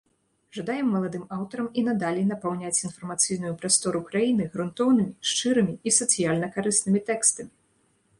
Жадаем маладым аўтарам і надалей напаўняць інфармацыйную прастору краіны грунтоўнымі, шчырымі і сацыяльна-карыснымі тэкстамі!